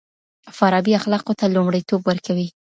فارابي اخلاقو ته لومړيتوب ورکوي.